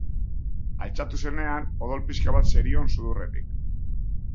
Altxatu zenean, odol pixka bat zerion sudurretik.